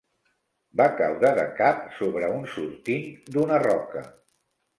Va caure de cap sobre un sortint d'una roca.